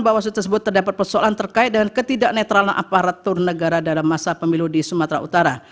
bawaslu tersebut terdapat persoalan terkait dengan ketidak netralan aparatur negara dalam masa pemilu di sumatera utara